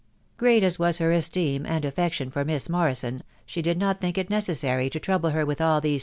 . Great as was her esteem and affection for Miss Morrison, . she did not think it necessary to trouble her with all these